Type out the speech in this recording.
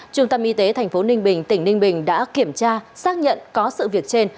trung tâm y tế tp ninh bình tỉnh ninh bình đã kiểm tra xác nhận có sự việc trên